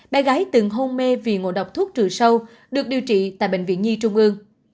bé gái từng hôn mê vì ngộ độc thuốc trừ sâu được điều trị tại bệnh viện nhi trung ương